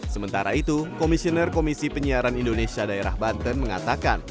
sementara itu komisioner komisi penyiaran indonesia daerah banten mengatakan